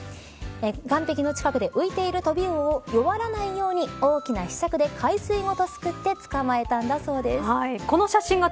岸壁の近くで浮いているトビウオを弱らないように大きなひしゃくで海水ごとすくってこの写真が